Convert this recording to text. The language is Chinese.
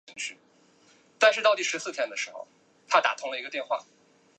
主教座堂是拉特朗圣若望大殿。